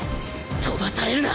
飛ばされるな！